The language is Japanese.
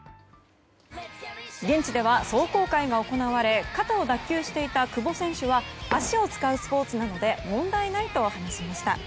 現地では壮行会が行われ肩を脱臼していた久保選手は足を使うスポーツなので問題ないと話しました。